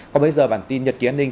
còn bây giờ bản tin nhật ký an ninh